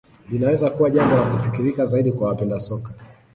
Linaweza kuwa jambo la kufikirika zaidi kwa wapenda soka